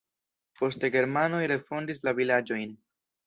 Poste germanoj refondis la vilaĝojn.